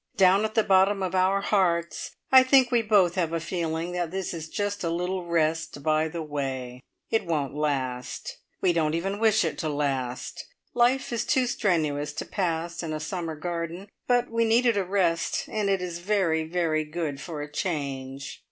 Down at the bottom of our hearts, I think we both have a feeling that this is just a little rest by the way. It won't last; we don't even wish it to last. Life is too strenuous to pass in a summer garden; but we needed a rest and it is very, very good for a change.